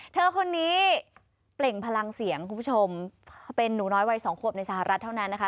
เธอคนนี้เปล่งพลังเสียงคุณผู้ชมเป็นหนูน้อยวัยสองขวบในสหรัฐเท่านั้นนะคะ